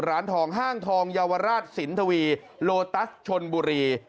ร้านทองห้างทองเยาวราชสินทวีโลตัสชนบุรี